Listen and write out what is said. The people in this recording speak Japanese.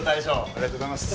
ありがとうございます。